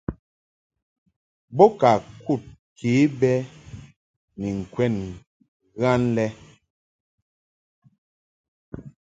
Bo ka kud ke bɛ ni ŋkwɛn ghan lɛ.